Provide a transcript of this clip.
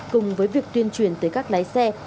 cùng với việc tuyên truyền tới các lái xe